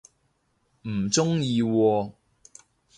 唔鍾意喎